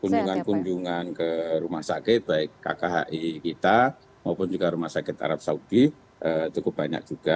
kunjungan kunjungan ke rumah sakit baik kkhi kita maupun juga rumah sakit arab saudi cukup banyak juga